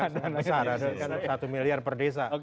besar satu miliar per desa